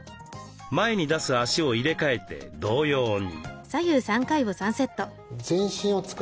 前に出す足を入れ替えて同様に。